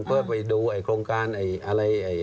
เพื่อไปดูโครงการคือทางดิน